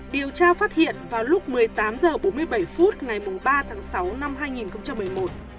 điều tra phát hiện vào lúc một mươi tám h bốn mươi bảy phút ngày ba tháng sáu năm hai nghìn một mươi một